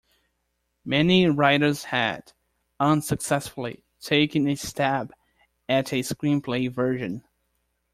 Many writers had, unsuccessfully, taken a stab at a screenplay version.